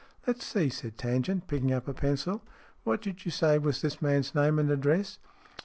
'*" Let's see," said Tangent, picking up a pencil. "What did you say was this man's name and address